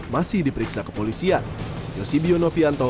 masih diperiksa kepolisian